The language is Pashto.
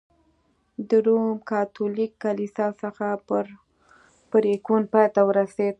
د روم کاتولیک کلیسا څخه په پرېکون پای ته ورسېد.